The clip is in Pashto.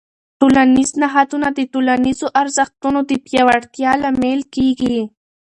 ټولنیز نهادونه د ټولنیزو ارزښتونو د پیاوړتیا لامل کېږي.